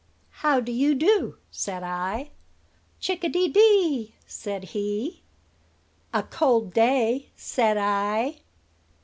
"'How do you do?' said I. "'Chick a dee dee,' said he. "'A cold day,' said I.